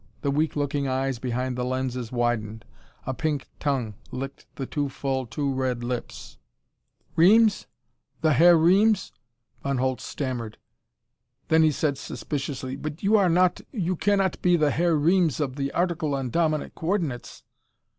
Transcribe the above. The weak looking eyes behind the lenses widened. A pink tongue licked the too full, too red lips. "Reames? The Herr Reames?" Von Holtz stammered. Then he said suspiciously, "But you are not you cannot be the Herr Reames of the article on dominant coordinates!"